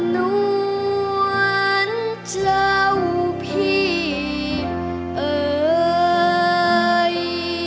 นวลเจ้าพี่เอ่ย